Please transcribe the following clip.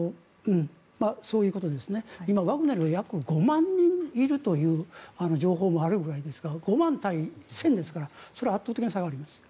今、ワグネル約５万人いるという情報もあるぐらいですから５万対１０００ですからそれは圧倒的な差があります。